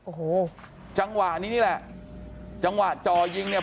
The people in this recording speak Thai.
โอ้โหจังหวะนี้นี่แหละจังหวะจ่อยิงเนี่ย